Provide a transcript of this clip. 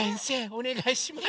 おねがいします。